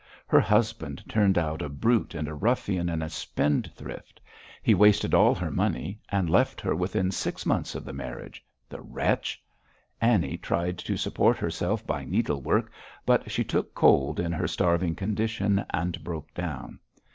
Her husband turned out a brute and a ruffian and a spendthrift. He wasted all her money, and left her within six months of the marriage the wretch! Annie tried to support herself by needlework, but she took cold in her starving condition and broke down.